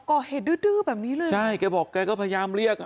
ขอเห็นรึดรื้อแบบนี้เลยใช่แกบอกแกก็พยายามเรียก